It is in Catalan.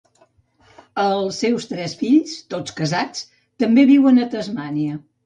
Els seus tres fills, tots casats, també viuen a Tasmània.